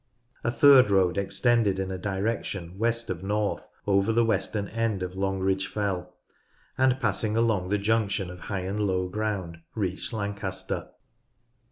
A third road extended in a direction west of north over the western end of Longridge Fell, and passing along the junction of high and low ground reached Lancaster.